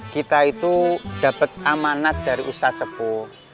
kita itu dapat amanat dari ustadz sepuh